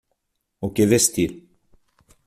O que vestir